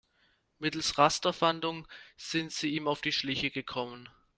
Mittels Rasterfahndung sind sie ihm auf die Schliche gekommen.